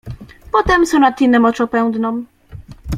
Potem Sonatinę Moczopędną.